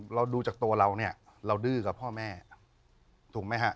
เราดูจากตัวเราเนี่ยเราดื้อกับพ่อแม่ถูกไหมฮะ